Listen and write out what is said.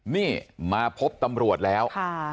นี่มาพบตำรวจแล้ว